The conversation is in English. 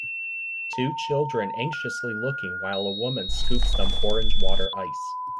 Two children anxiously looking while a woman scoops them orange water ice.